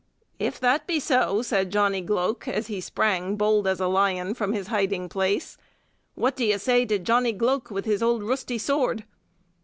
"If that be so," said Johnny Gloke, as he sprang, bold as a lion, from his hiding place, "What do you say to Johnny Gloke with his old roosty sword?"